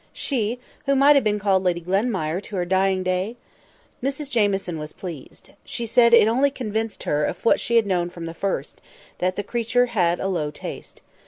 She, who might have been called Lady Glenmire to her dying day! Mrs Jamieson was pleased. She said it only convinced her of what she had known from the first, that the creature had a low taste.